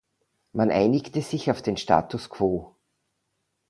Man einigte sich auf den Status quo.